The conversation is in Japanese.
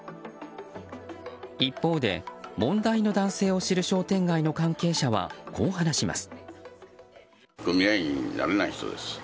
一方で問題の男性を知る商店街の関係者はこう話します。